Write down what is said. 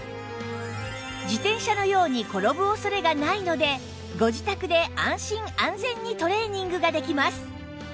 自転車のように転ぶ恐れがないのでご自宅で安心安全にトレーニングができます